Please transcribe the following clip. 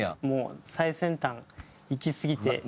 もう最先端いきすぎて。